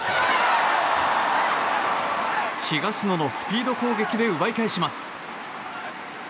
東野のスピード攻撃で奪い返します！